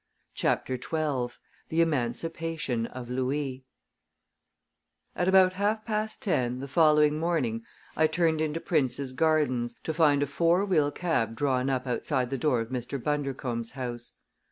CHAPTER XII THE EMANCIPATION OF LOUIS At about half past ten the following morning I turned into Prince's Gardens, to find a four wheel cab drawn up outside the door of Mr. Bundercombe's house.